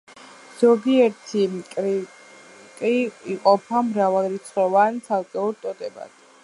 ზოგიერთი კრიკი იყოფა მრავალრიცხოვან ცალკეულ ტოტებად.